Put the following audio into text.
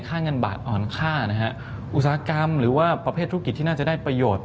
เงินบาทอ่อนค่านะฮะอุตสาหกรรมหรือว่าประเภทธุรกิจที่น่าจะได้ประโยชน์